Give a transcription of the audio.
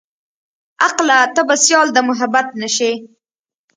عقله ته به سيال د محبت نه شې.